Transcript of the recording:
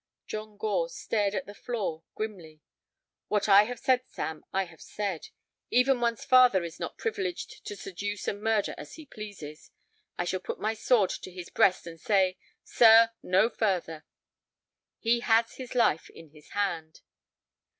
John Gore stared at the floor grimly. "What I have said, Sam, I have said; even one's father is not privileged to seduce and murder as he pleases. I shall put my sword to his breast and say: 'Sir, no further.' He has his life in his hand."